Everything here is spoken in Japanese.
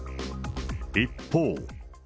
一方。